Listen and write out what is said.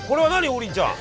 王林ちゃん。